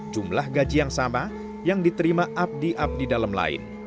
jumlah gaji yang sama yang diterima abdi abdi dalam lain